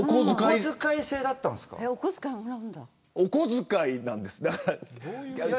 お小遣いなんですよ。